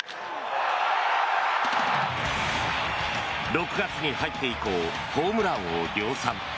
６月に入って以降、ホームランを量産。